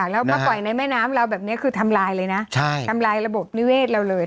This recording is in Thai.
แล้วมาปล่อยในแม่น้ำเราแบบนี้คือทำลายเลยนะทำลายระบบนิเวศเราเลย